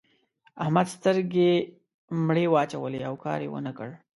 احمد سترګې مړې واچولې؛ او کار يې و نه کړ.